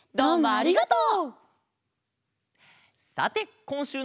ありがとう！